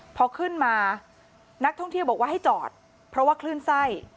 พอขึ้นมานักท่องเที่ยวบอกว่าให้จอดเพราะว่าคลื่นไส้